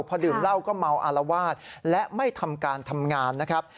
พอดื่มเหล้าก็เมาอารวาสและไม่ทำการทำงานนะครับ